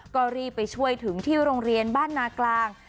ก็รีบไปช่วยถึงที่โรงเรียนบ้านนากลาง